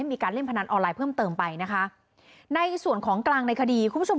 มีการเล่นพนันออนไลน์เพิ่มเติมไปนะคะในส่วนของกลางในคดีคุณผู้ชม